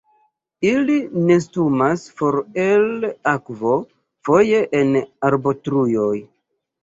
Ili nestumas for el akvo, foje en arbotruoj.